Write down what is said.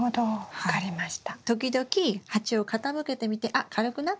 分かりました。